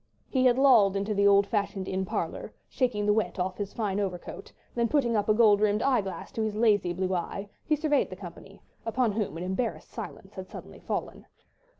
He had lolled into the old fashioned inn parlour, shaking the wet off his fine overcoat; then putting up a gold rimmed eye glass to his lazy blue eye, he surveyed the company, upon whom an embarrassed silence had suddenly fallen.